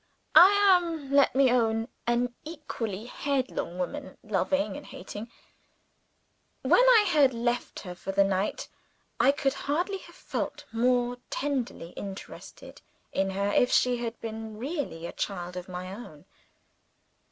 I am, let me own, an equally headlong woman at loving and hating. When I had left her for the night, I could hardly have felt more tenderly interested in her if she had been really a child of my own.